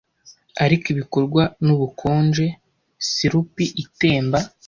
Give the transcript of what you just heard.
Ariko ibikorwa nubukonje, sirupi itemba